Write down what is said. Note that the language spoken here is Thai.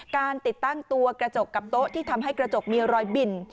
การติดตั้งตัวกระจกกับโต๊ะที่ทำให้กระจกมีรอยบิน